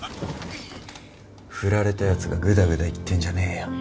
振られたやつがぐだぐだ言ってんじゃねえよ。